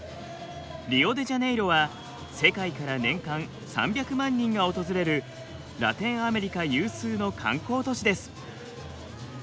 リオデジャネイロは世界から年間３００万人が訪れるラテンアメリカ有数の観光都市です。